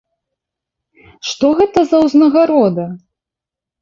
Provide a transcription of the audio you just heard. Што гэта за ўзнагарода?